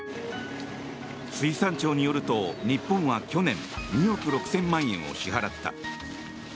水産庁によると日本は去年２億６０００万円を支払った。